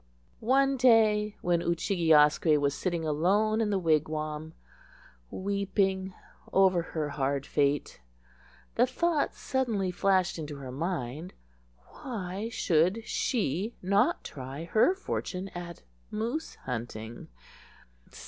One day, when Oo chig e asque was sitting alone in the wigwam weeping over her hard fate, the thought suddenly flashed into her mind—why should she not try her fortune at Moose hunting?